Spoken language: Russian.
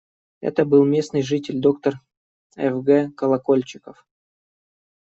Это был местный житель, доктор Ф. Г. Колокольчиков.